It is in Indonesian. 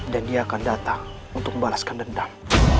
dan dia akan datang untuk membalaskan dendam